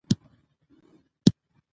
ژوند د حقیقت او خیال تر منځ روان وي.